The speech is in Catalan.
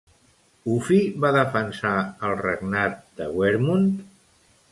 Uffi va defensar el regnat de Wermund?